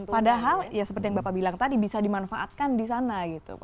padahal ya seperti yang bapak bilang tadi bisa dimanfaatkan di sana gitu